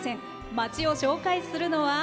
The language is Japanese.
街を紹介するのは。